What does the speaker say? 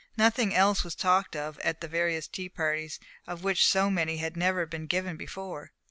Nothing else was talked of at the various tea parties, of which so many had never been given before.